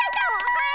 はい！